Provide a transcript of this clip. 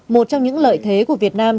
một trong những lợi thế của việt nam